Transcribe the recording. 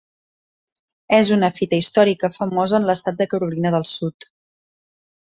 És una fita històrica famosa en l'estat de Carolina del Sud.